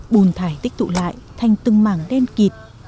bùn thải tích tụ lại thành từng màng đen kịt